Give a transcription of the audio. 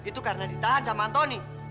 itu karena ditahan sama antoni